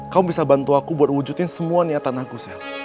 kamu bisa bantu aku buat wujudin semua niatan aku sel